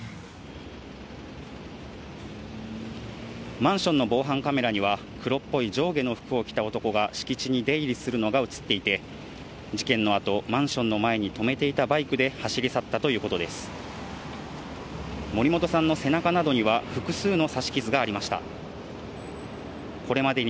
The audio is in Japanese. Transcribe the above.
マンションの防犯カメラには黒っぽい上下の服を着た男が敷地に出入りするのが映っていて、事件の後、マンションの前に止めていたバイクで走り去ったということです。